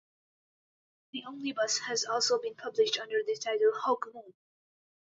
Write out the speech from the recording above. The omnibus has also been published under the title "Hawkmoon".